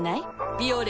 「ビオレ」